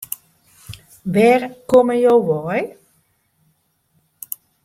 Wêr komme jo wei?